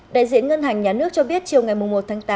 đại diện ngân hàng nhà nước cho biết chiều ngày một tháng tám